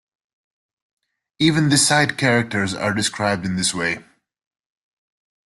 Even the side characters are described in this way.